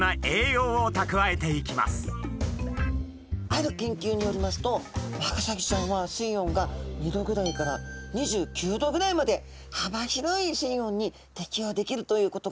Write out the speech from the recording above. ある研究によりますとワカサギちゃんは水温が２℃ぐらいから２９℃ぐらいまで幅広い水温に適応できるということが分かってるそうなんです。